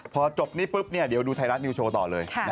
พอจบนี้ปุ๊บเดี๋ยวดูไทยรัฐนิวโชว์ต่อเลย